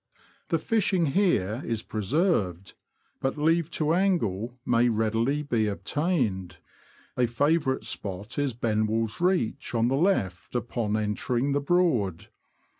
The fishing here is preserved, but leave to angle may readily be obtained » a favourite spot is Benwell's Reach, on the left upon entering the Broad.